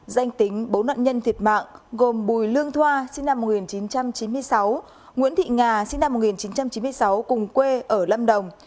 danh tính bốn nạn nhân thiệt mạng gồm bùi lương thoa sinh năm một nghìn chín trăm chín mươi sáu nguyễn thị nga sinh năm một nghìn chín trăm chín mươi sáu cùng quê ở lâm đồng